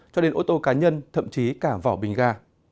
cho đến ô tô cá nhân thậm chí cả vỏ bình ga